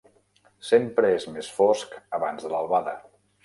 Sempre és més fosc abans de l'albada.